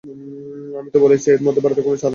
আমি তো বলেছিই এর মধ্যে ভারতের কোনো চাল আছে।